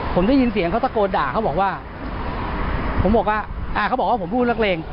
ผมได้ยินเสียงเขาตะโกด่าเขาบอกว่าผมพูดทักเลง